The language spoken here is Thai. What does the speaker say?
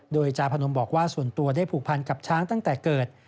โดยจาพนมบอกว่าส่วนตัวได้ผูกพันกับช้างตั้งแต่เกิด